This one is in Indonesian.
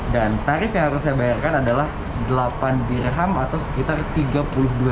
dan tarif yang harus saya bayarkan adalah delapan dirham atau sekitar tiga puluh dua ribu rupiah